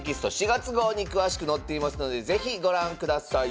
４月号に詳しく載っていますので是非ご覧ください。